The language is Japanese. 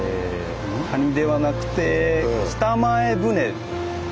カニではなくて北前船で。